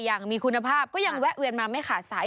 อย่างมีคุณภาพก็ยังแวะเวียนมาไม่ขาดสาย